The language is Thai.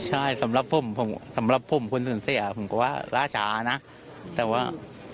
ใช่สำหรับผมผมสำหรับผมคนสูญเสียผมก็ว่าล่าช้านะแต่ว่า